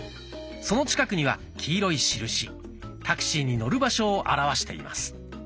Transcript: その近くには黄色い印タクシーに乗る場所を表しています。